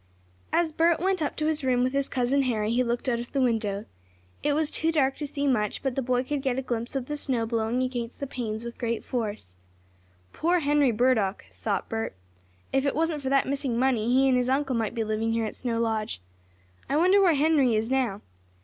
As Bert went up to his room with his cousin Harry he looked out of the window. It was too dark to see much, but the boy could get a glimpse of the snow blowing against the panes with great force. "Poor Henry Burdock!" thought Bert. "If it wasn't for that missing money he and his uncle might be living here at Snow Lodge. I wonder where Henry is now?